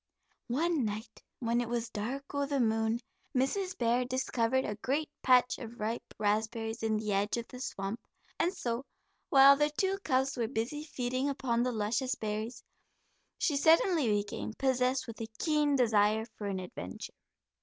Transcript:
One night, when it was "dark o' the moon," Mrs. Bear discovered a great patch of ripe raspberries in the edge of the swamp, and so while the two cubs were busy feeding upon the luscious berries, she suddenly became possessed with a keen desire for an adventure.